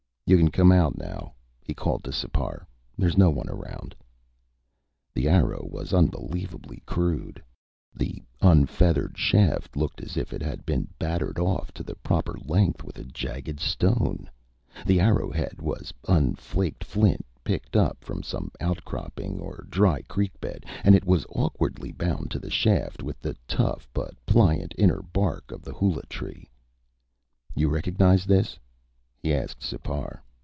"You can come out now," he called to Sipar. "There's no one around." The arrow was unbelievably crude. The unfeathered shaft looked as if it had been battered off to the proper length with a jagged stone. The arrowhead was unflaked flint picked up from some outcropping or dry creek bed, and it was awkwardly bound to the shaft with the tough but pliant inner bark of the hula tree. "You recognize this?" he asked Sipar.